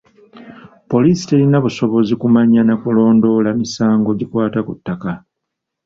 Poliisi terina busobozi kumanya na kulondoola misango gikwata ku ttaka.